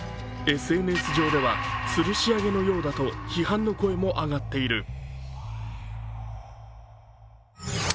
ＳＮＳ上では、つるし上げのようだと批判の声も上がっている。